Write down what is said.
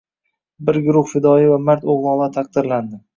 Bir guruh fidoyi va mard oʻgʻlonlar taqdirlandi